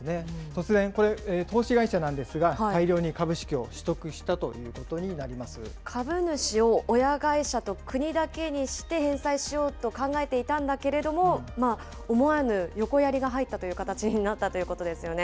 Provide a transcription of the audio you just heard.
突然、これ、投資会社なんですが、大量に株式を取得したということ株主を親会社と国だけにして、返済しようと考えていたんだけれども、思わぬ横やりが入ったという形になったということですよね。